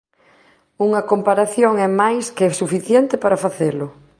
Unha comparación é máis que suficiente para facelo.